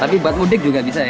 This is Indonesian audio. tapi buat mudik juga bisa ya